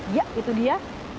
ya itu dia